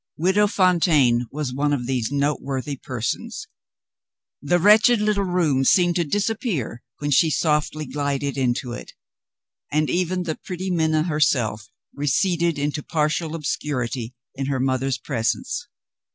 Widow Fontaine was one of these noteworthy persons. The wretched little room seemed to disappear when she softly glided into it; and even the pretty Minna herself receded into partial obscurity in her mother's presence.